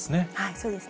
そうですね。